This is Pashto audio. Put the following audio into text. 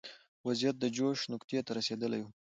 وضعیت د جوش نقطې ته رسېدلی و.